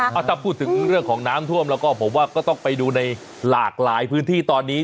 ถ้าพูดถึงเรื่องของน้ำท่วมแล้วก็ผมว่าก็ต้องไปดูในหลากหลายพื้นที่ตอนนี้